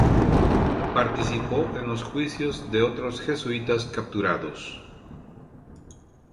Participó en los juicios de otros jesuitas capturados.